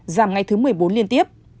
giảm ngày thứ một mươi bốn liên tiếp